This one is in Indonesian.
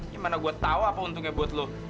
ya mana gue tau apa untungnya buat lo